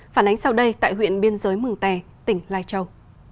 phản ánh sau đây tại huyện biên giới mừng tè tỉnh lai châu